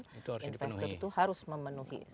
investor itu harus memenuhi